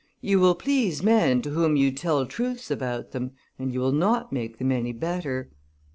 You will please men to whom you tell truths about them, and you will not make them any better.